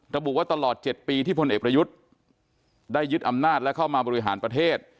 ระบุว่าตลอด๗ปีที่พลเอกประยุทธ์ได้ยึดอำนาจและเข้ามาบริหารประเทศ